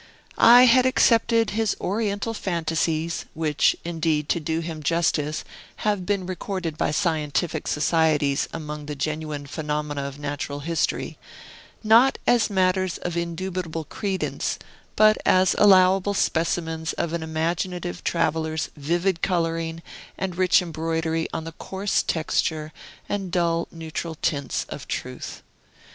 I had accepted his Oriental fantasies (which, indeed, to do him justice, have been recorded by scientific societies among the genuine phenomena of natural history), not as matters of indubitable credence, but as allowable specimens of an imaginative traveller's vivid coloring and rich embroidery on the coarse texture and dull neutral tints of truth.